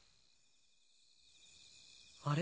あれ？